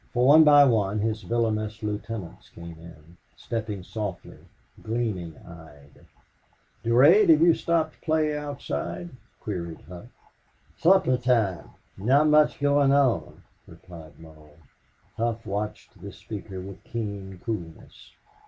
For one by one his villainous lieutenants came in, stepping softly, gleaming eyed. "Durade, have you stopped play outside?" queried Hough. "Supper time. Not much going on," replied Mull. Hough watched this speaker with keen coolness.